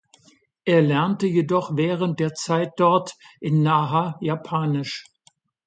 Er lernte jedoch während der Zeit dort in Naha Japanisch.